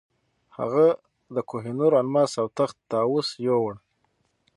هغه د کوه نور الماس او تخت طاووس یووړ.